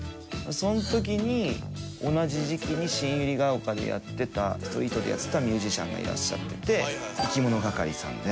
その時に同じ時期に新百合ヶ丘でやってたストリートでやってたミュージシャンがいらっしゃってていきものがかりさんで。